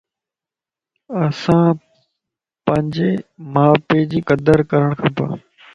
اسان پنجي مان پي جي قدر ڪرڻ کپَ